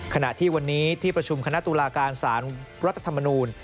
ขณะที่วันนี้ที่ประชุมคณะตุลาการสารรัฐธรรมนูล